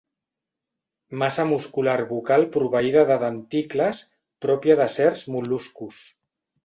Massa muscular bucal proveïda de denticles pròpia de certs mol·luscos.